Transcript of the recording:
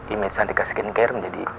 image chandika skincare menjadi